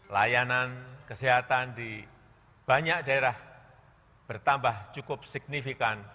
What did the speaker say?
layanan kesehatan di banyak daerah bertambah cukup signifikan